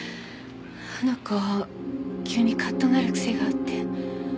あの子急にカッとなる癖があって。